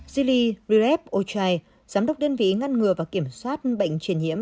zili rireb ochai giám đốc đơn vị ngăn ngừa và kiểm soát bệnh triển nhiễm